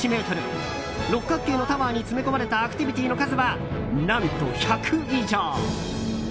六角形のタワーに詰め込まれたアクティビティーの数は何と１００以上！